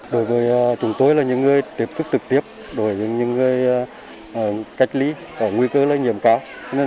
đối với chúng tôi là những người tiếp xúc trực tiếp đối với những người cách ly có nguy cơ là nghiệm cáo